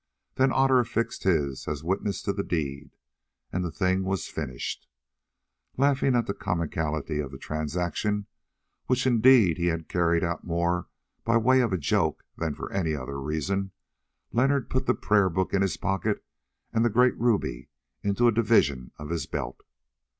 Then Otter affixed his, as witness to the deed, and the thing was finished. Laughing again at the comicality of the transaction, which indeed he had carried out more by way of joke than for any other reason, Leonard put the prayer book in his pocket and the great ruby into a division of his belt.